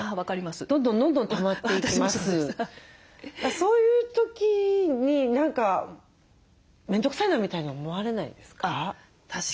そういう時に何か面倒くさいなみたいに思われないですか？